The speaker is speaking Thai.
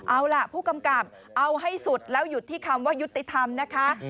เอาล่ะผู้กำกับเอาให้สุดแล้วหยุดที่คำว่ายุติธรรมนะคะ